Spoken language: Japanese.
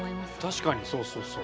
確かにそうそうそう。